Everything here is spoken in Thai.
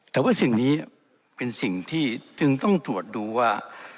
แต่ว่าสิ่งนี้เป็นสิ่งที่จึงต้องตรวจดูว่า